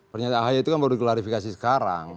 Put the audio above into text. pernyataan ahy itu kan baru diklarifikasi sekarang